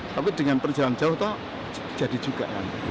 tapi dengan perjalanan jauh itu jadi juga